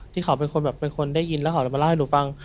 ที่เขาเป็นคนแบบเป็นคนได้ยินแล้วเขาจะมาเล่าให้หนูฟัง